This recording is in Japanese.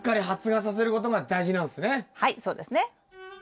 先生はいそうですね。